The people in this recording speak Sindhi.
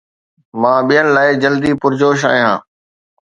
مان ٻين لاءِ جلدي پرجوش آهيان